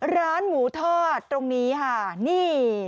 ร้านหมูทอดตรงนี้ค่ะนี่